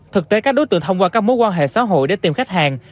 thực tế các đối tượng thông qua các mối quan hệ xã hội để tìm khách hàng